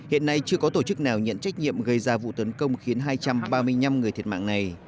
hiện nay chưa có tổ chức nào nhận trách nhiệm gây ra vụ tấn công khiến hai trăm ba mươi năm người thiệt mạng này